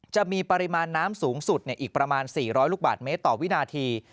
จะมีปริมาณน้ำสูงสุดอีกประมาณ๔๐๐ลูกบาทเมตรต่อวินาที